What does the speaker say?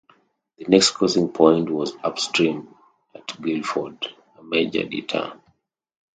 The next crossing point was upstream at Guildford, a major detour.